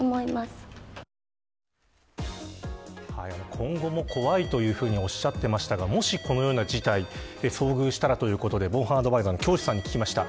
今後も怖いというふうにおっしゃっていましたがもし、このような事態遭遇したら、防犯アドバイザーの京師さんに聞きました。